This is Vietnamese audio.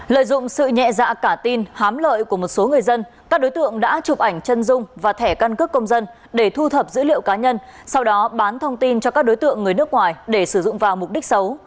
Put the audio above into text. lợi dụng sự nhẹ dạ cả tin hám lợi của một số người dân các đối tượng đã chụp ảnh chân dung và thẻ căn cước công dân để thu thập dữ liệu cá nhân sau đó bán thông tin cho các đối tượng người nước ngoài để sử dụng vào mục đích xấu